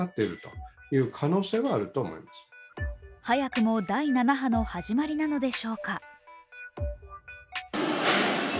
早くも第７波の始まりなのでしょうか。